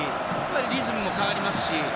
リズムも変わりますし。